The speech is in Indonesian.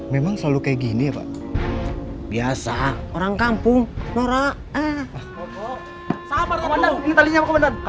memang selalu kayak gini ya pak biasa orang kampung norak